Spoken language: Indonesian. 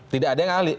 tidak ada yang ahli